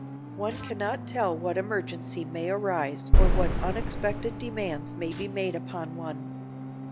One can not tell what emergency may arise or what unexpected demands may be made upon one.